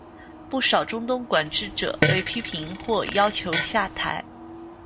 不少中东管治者被批评或要求下台。